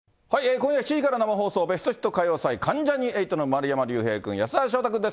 今夜７時から生放送、ベストヒット歌謡祭、関ジャニ∞の丸山隆平君、安田章大君です。